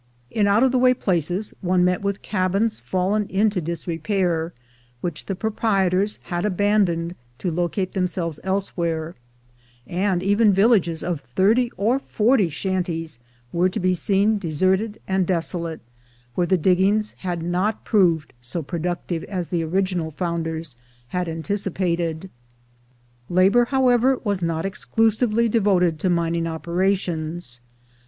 In out of the way places one met with cabins fallen into disrepair, which the proprietors had abandoned to locate themselves elsewhere; and even villages of thirty or forty shanties were to be seen deserted and desolate, where the diggings had not proved so pro ductive as the original founders had anticipated. Labor, however, was not exclusively devoted to mining operations.